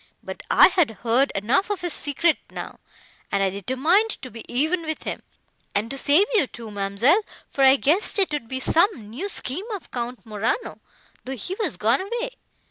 But I had heard enough of his secret now, and I determined to be even with him, and to save you, too, ma'amselle, for I guessed it to be some new scheme of Count Morano, though he was gone away.